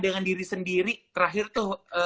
dengan diri sendiri terakhir tuh